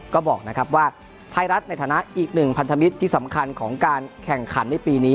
ก็บอกนะครับว่าไทยรัฐในฐานะอีกหนึ่งพันธมิตรที่สำคัญของการแข่งขันในปีนี้